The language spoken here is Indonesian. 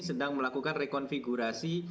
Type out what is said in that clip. sedang melakukan rekonfigurasi